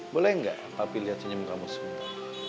boleh gak papi lihat senyum kamu semua